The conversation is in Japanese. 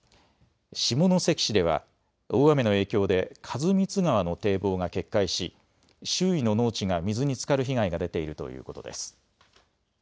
下関市では大雨の影響で員光川の堤防が決壊し周囲の農地が水につかる被害が出ているということです。